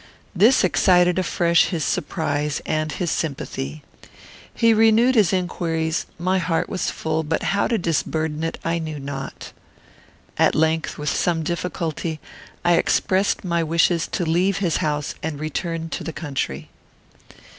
This excited afresh his surprise and his sympathy. He renewed his inquiries; my heart was full, but how to disburden it I knew not. At length, with some difficulty, I expressed my wishes to leave his house and return into the country.